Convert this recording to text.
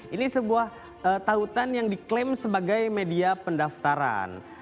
ini sebuah tautan yang diklaim sebagai media pendaftaran